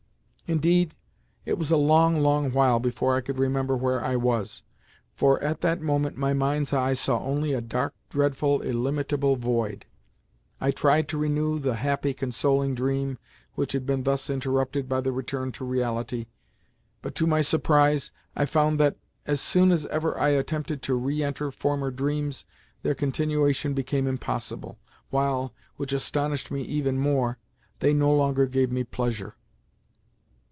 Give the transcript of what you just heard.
Indeed, it was a long, long while before I could remember where I was, for at that moment my mind's eye saw only a dark, dreadful, illimitable void. I tried to renew the happy, consoling dream which had been thus interrupted by the return to reality, but, to my surprise, I found that, as soon as ever I attempted to re enter former dreams, their continuation became impossible, while—which astonished me even more—they no longer gave me pleasure.